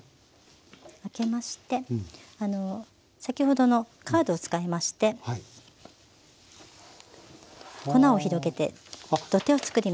あけまして先ほどのカードを使いまして粉を広げて土手を作ります。